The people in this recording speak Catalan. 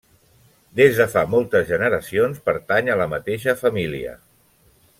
Des de fa moltes generacions pertany a la mateixa família.